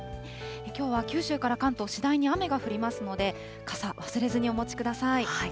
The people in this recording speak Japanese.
きょうは九州から関東、次第に雨が降りますので、傘、忘れずにお持ちください。